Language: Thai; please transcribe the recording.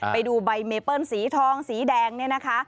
ไปดูใบเมเปิ้ลสีทองสีแดงเนี่ยนะคะ